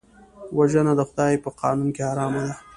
وژنه د خدای په قانون کې حرام ده